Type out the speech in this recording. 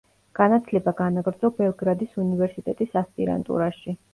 განათლება განაგრძო ბელგრადის უნივერსიტეტის ასპირანტურაში.